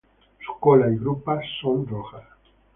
Su cola y grupa son rojas.